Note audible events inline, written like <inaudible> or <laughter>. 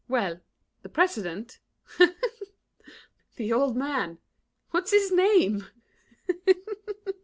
Well, The President? <laughs> The old man! What's his name?